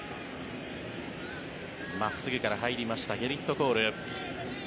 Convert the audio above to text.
真っすぐから入りましたゲリット・コール。